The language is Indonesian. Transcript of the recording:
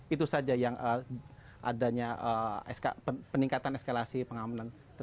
itu saja yang adanya peningkatan eskalasi pengamanan